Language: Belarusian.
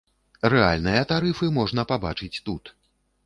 Рэальныя тарыфы можна пабачыць тут.